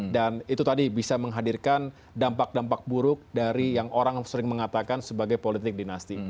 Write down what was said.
dan itu tadi bisa menghadirkan dampak dampak buruk dari yang orang sering mengatakan sebagai politik dinasti